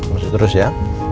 masuk terus ya